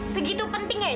segitu penting gak ya